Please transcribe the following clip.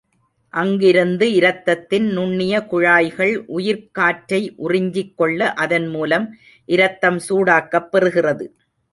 அங்கிருந்து இரத்தத்தின் நுண்ணிய குழாய்கள் உயிர்க்காற்றை உறிஞ்சிக் கொள்ள அதன் மூலம் இரத்தம் சூடாக்கப் பெறுகிறது.